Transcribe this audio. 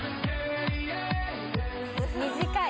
短い。